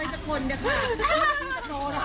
พี่จะโดนเขาถึงจะดื้อพี่เลยนะคะโหล